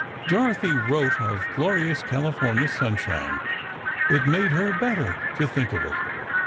Dorothy wrote of glorious California sunshine. It made her better to think of it.